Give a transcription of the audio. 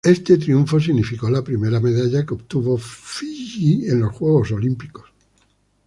Este triunfo significó la primera medalla que obtuvo Fiyi en los Juegos Olímpicos.